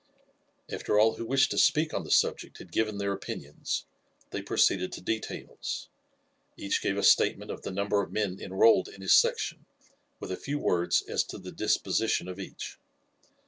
After all who wished to speak on the subject had given their opinions, they proceeded to details; each gave a statement of the number of men enrolled in his section, with a few words as to the disposition of each.